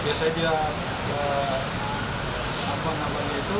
biasanya dia apa namanya itu